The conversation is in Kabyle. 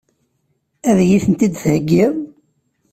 Ad iyi-tent-id-theggiḍ?